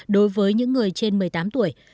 đối với những người trên một mươi tám tuổi